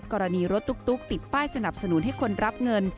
กรณีรถตุ๊กติดป้ายสนับสนุนให้คนรับเงิน